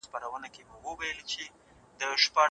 دوې خبري دي.